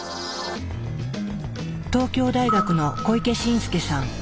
東京大学の小池進介さん。